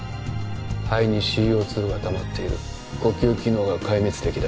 肺にＣＯ２がたまっている呼吸機能が壊滅的だ